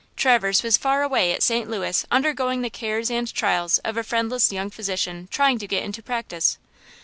Traverse was far away at St. Louis undergoing the cares and trials of a friendless young physician trying to get into practice.